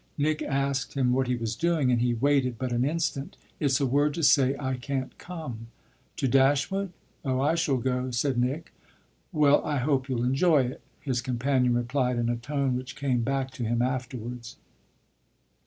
Nick asked him what he was doing, and he waited but an instant. "It's a word to say I can't come." "To Dashwood? Oh I shall go," said Nick. "Well, I hope you'll enjoy it!" his companion replied in a tone which came back to him afterwards.